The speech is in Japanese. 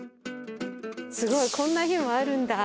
すごいこんな日もあるんだ。